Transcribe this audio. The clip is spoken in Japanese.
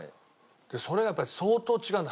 それがやっぱり相当違うんだ。